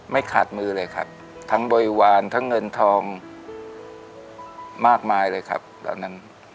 ขาดมือเลยครับทั้งบริวารทั้งเงินทองมากมายเลยครับตอนนั้น